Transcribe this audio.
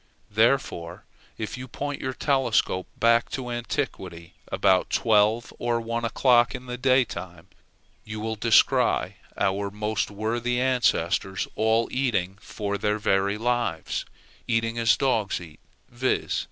Therefore, if you point your telescope back to antiquity about twelve or one o'clock in the daytime, you will descry our most worthy ancestors all eating for their very lives, eating as dogs eat, viz.